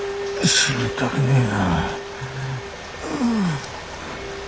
死にたくねぇぞ。